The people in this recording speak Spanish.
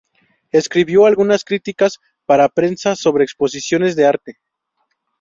Escribió algunas críticas para prensa sobre exposiciones de arte.